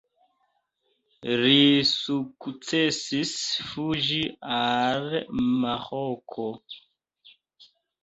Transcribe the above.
Li sukcesis fuĝi al Maroko.